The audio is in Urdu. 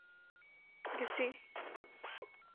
گسی